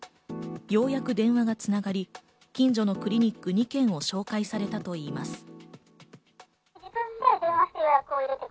ようやく電話が繋がり、近所のクリニック２軒を紹介されたといいます。